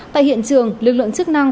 tại hiện trường lực lượng chức năng